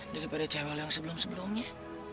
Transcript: daripada cewek yang sebelum sebelumnya